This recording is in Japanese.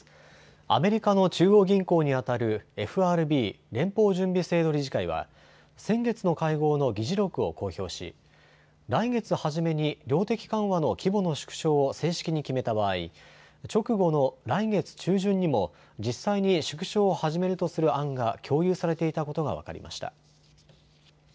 アメリカの中央銀行にあたるＦＲＢ・連邦準備制度理事会は先月の会合の議事録を公表し来月初めに量的緩和の規模の縮小を正式に決めた場合、直後の来月中旬にも実際に縮小を始めるとする案が共有されていたことが分かりました。